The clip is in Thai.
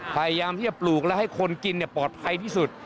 พยายามที่จะปลูกและให้คนกินปลอดภัยที่สุด